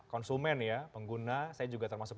konsumen ya pengguna saya juga termasuk